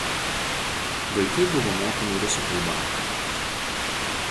Vaikai buvo mokomi rusų kalba.